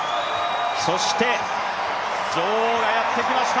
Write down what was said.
そして女王がやってきました。